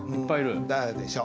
誰でしょ？